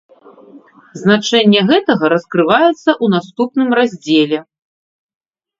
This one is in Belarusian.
Значэнне гэтага раскрываецца ў наступным раздзеле.